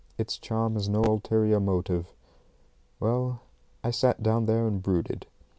It's charm has no ulterior motive. Well, I sat down there and brooded.